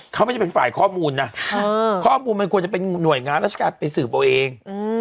เขาไม่ได้เป็นฝ่ายข้อมูลนะข้อมูลมันควรจะเป็นหน่วยงานราชการไปสืบเอาเอง